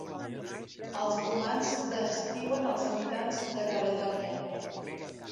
Els romans descriuen els habitants de Caledònia.